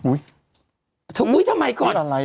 เธออุ๊ยทำไมก่อน